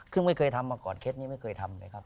ซึ่งไม่เคยทำมาก่อนเคล็ดนี้ไม่เคยทำเลยครับ